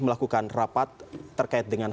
melakukan rapat terkait dengan